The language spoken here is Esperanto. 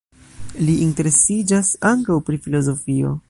Li interesiĝas ankaŭ pri filozofio.